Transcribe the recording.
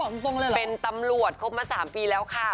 เขาบอกตรงเลยเหรอเป็นตำรวจครบมา๓ปีแล้วค่ะ